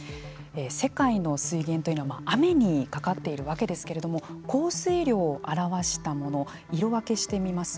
世界の水源というのは雨にかかっているわけですけれども降水量を表したもの色分けしてみます。